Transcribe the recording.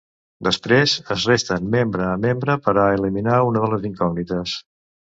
Després, es resten membre a membre per a eliminar una de les incògnites.